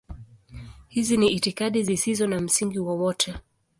Hizi ni itikadi zisizo na msingi wowote.